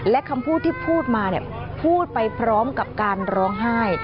และคำพูดที่พูดมาพูดไปพร้อมกับการร้องไห้